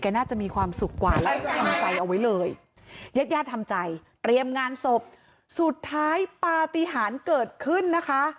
น่าจะมีความสุขกว่าและทำใจเอาไว้เลยญาติญาติทำใจเตรียมงานศพสุดท้ายปฏิหารเกิดขึ้นนะคะ